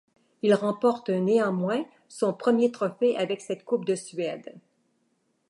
Il remporte néanmoins son premier trophée avec cette coupe de Suède.